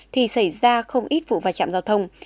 thì xảy ra không ít vụ va chạm giao thông